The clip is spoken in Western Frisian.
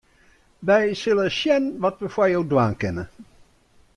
Wy sille sjen wat we foar jo dwaan kinne.